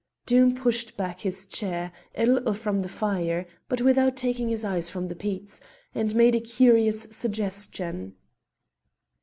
Doom pushed back his chair a little from the fire, but without taking his eyes from the peats, and made a curious suggestion.